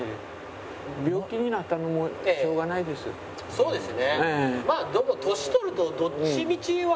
そうですね。